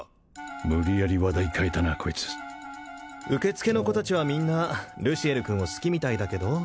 無理やり話題変えたなこいつ受付の子達はみんなルシエル君を好きみたいだけど？